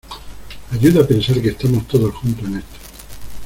ayuda pensar que estamos todos juntos en esto